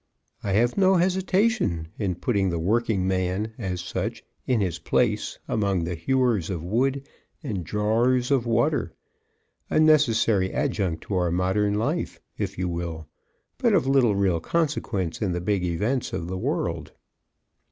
I have no hesitation in putting the Workingman, as such, in his place among the hewers of wood and drawers of water a necessary adjunct to our modern life, if you will, but of little real consequence in the big events of the world.